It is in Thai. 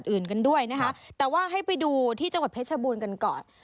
อื่นกันด้วยนะคะแต่ว่าให้ไปดูที่จังหวัดเพชรบูรณ์กันก่อน